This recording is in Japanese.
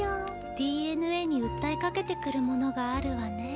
ＤＮＡに訴えかけてくるものがあるわね。